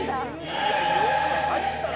いやよく入ったな